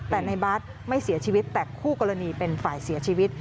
แต่ในบาสไม่เสียชีวิตแต่คู่กรณีเป็นฝ่ายเสียชีวิต